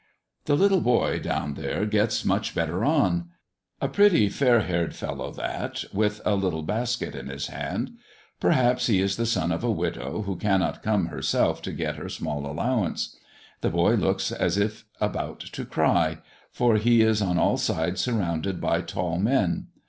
The little boy down there gets much better on. A pretty fair haired fellow that, with a little basket in his hand. Perhaps he is the son of a widow, who cannot come herself to get her small allowance. The boy looks as if about to cry, for he is on all sides surrounded by tall men.